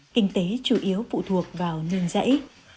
kinh tế chủ yếu phụ thuộc vào nương rẫy